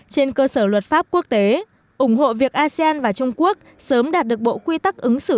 trên cơ sở luật pháp quốc tế ủng hộ việc asean và trung quốc sớm đạt được bộ quy tắc ứng xử